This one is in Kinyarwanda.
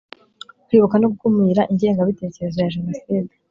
kwibuka no gukumira igenga bitekerezo ya jenoside